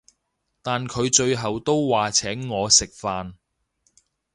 但佢最後都話請我食飯